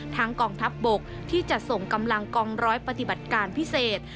กองทัพบกที่จะส่งกำลังกองร้อยปฏิบัติการพิเศษ